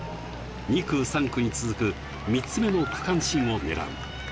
２区、３区に続く３つ目の区間新をねらう。